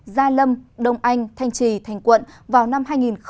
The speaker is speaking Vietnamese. gia lâm đông anh thanh trì thành quận vào năm hai nghìn hai mươi